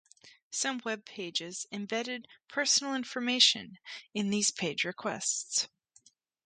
Some web pages embedded personal information in these page requests.